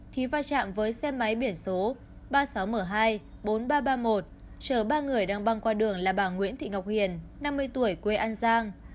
thì va chạm với xe máy biển số ba mươi sáu m hai bốn nghìn ba trăm ba mươi một chở ba người đang băng qua đường là bà nguyễn thị ngọc hiền năm mươi tuổi quê an giang